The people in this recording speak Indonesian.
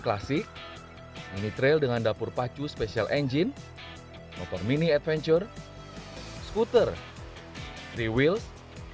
klasik ini trail dengan dapur pacu special engine motor mini adventure scooter diwills